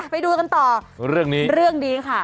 ไปดูกันต่อเรื่องนี้ค่ะ